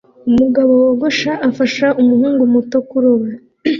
Umugabo wogosha afasha umuhungu muto kuroba